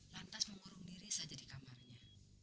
lantas mengurung diri saja di kamarnya